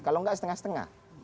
kalau nggak setengah setengah